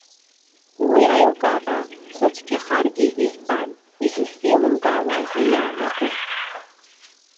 Уи аилкаара сзыцәгьахаргьы, избан, изысзеилымкаауазеи иаанаго.